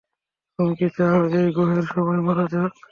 তুমি কি চাও এই গ্রহের সবাই মারা যাক?